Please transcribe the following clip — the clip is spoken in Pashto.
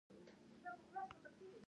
صورت جلسه چا لیکلې وي؟